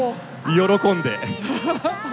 喜んで！